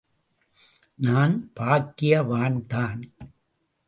– நான் பாக்கியவான்தான்!